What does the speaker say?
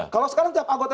kalau sekarang tiap anggota